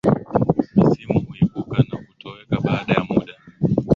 Misimu huibuka na kutoweka baada ya muda.